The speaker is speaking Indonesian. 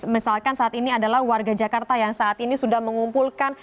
misalkan saat ini adalah warga jakarta yang saat ini sudah mengumpulkan